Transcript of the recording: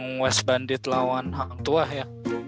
yang west bandit lawan hang tuah ya